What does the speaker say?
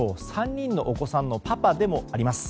３人のお子さんのパパでもあります。